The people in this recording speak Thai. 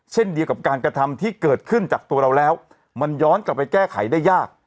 เช่นเดียวกับการกระทำที่เกิดขึ้นจากตัวเราแล้วมันย้อนกลับไปแก้ไขได้ยาก